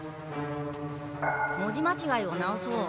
文字まちがいを直そう。